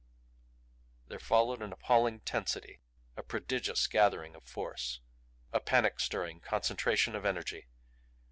There followed an appalling tensity; a prodigious gathering of force; a panic stirring concentration of energy.